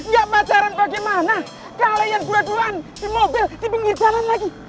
gak pacaran bagaimana kalian berduaan di mobil di pinggir jalan lagi